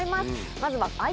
まずは。